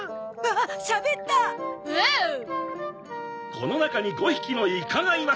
「この中に５匹のイカがいます」